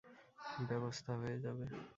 ব্যবস্থা হয়ে যাবে।